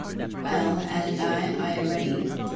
Well, added I, I am ready.